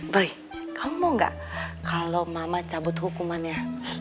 boy kamu mau gak kalo mama cabut hukumannya